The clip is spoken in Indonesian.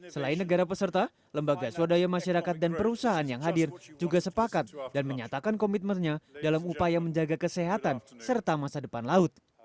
selain negara peserta lembaga swadaya masyarakat dan perusahaan yang hadir juga sepakat dan menyatakan komitmennya dalam upaya menjaga kesehatan serta masa depan laut